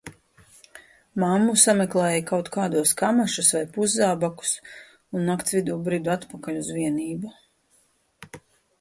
Mammu sameklēja kaut kādos kamašas, vai puszābakus un nakts vidū bridu atpakaļ uz vienību.